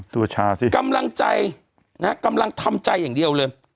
ตัวชาสิ